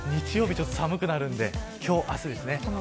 ちょっと寒くなるんで今日、明日です。